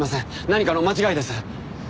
何かの間違いです。